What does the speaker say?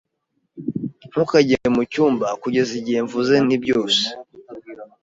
Ntukajye mucyumba kugeza igihe mvuze nti "Byose."